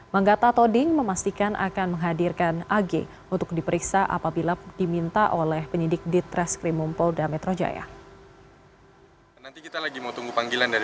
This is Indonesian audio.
manggata toding memastikan akan menghadirkan ag untuk diperiksa apabila diminta oleh penyidik di treskrimum polda metro jaya